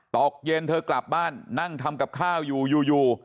ตกเย็นเธอกลับบ้านนั่งทำกับข้าวอยู่อยู่